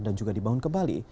dan juga dibangun kembali